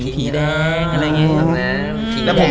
หรือแข่งแลต